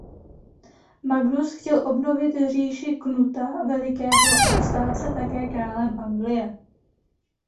Magnus chtěl obnovit říši Knuta Velikého a stát se také králem Anglie.